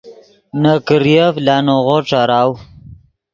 نے کریف لانغو ݯیراؤ